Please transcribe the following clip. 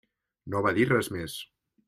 No va dir res més.